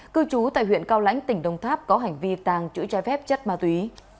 cư trú tại huyện cao lãnh tỉnh đồng tháp có hành vi tàng trữ trái phép chất ma túy